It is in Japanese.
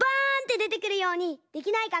でてくるようにできないかな？